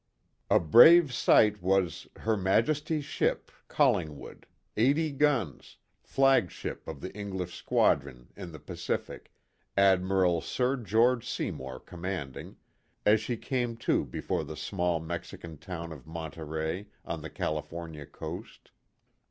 A BRAVE sight was " Her Majesty's ship Collingwood, eighty guns, Flagship of the English squadron in the Pacific, Admiral Sir George Seymour commanding," as she came to before the small Mexican town of Monterey on the California coast.